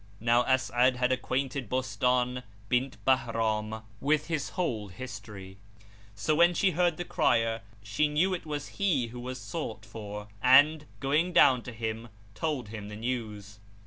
Now As'ad had acquainted Bostan bint Bahram with his whole history: so, when she heard the crier, she knew that it was he who was sought for and, going down to him, told him the news.